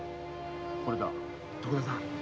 これだ徳田さん